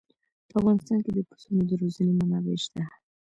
په افغانستان کې د پسونو د روزنې منابع شته.